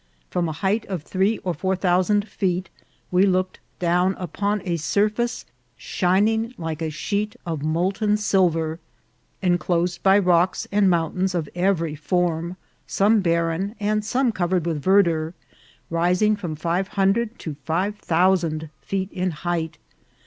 From a height of three or four thousand feet we looked down upon a surface shi ning like a sheet of molten silver, enclosed by rocks and mountains of every form, some barren, and some covered with verdure, rising from five hundred to five thousand feet in height.